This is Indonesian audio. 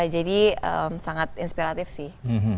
jadi sangat inspiratif sih